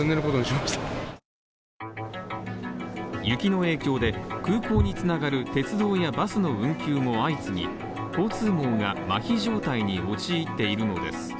雪の影響で空港に繋がる鉄道やバスの運休も相次ぎ、交通網ががまひ状態に陥っているのです。